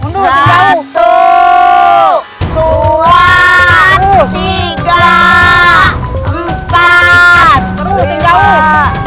mundur sing jauh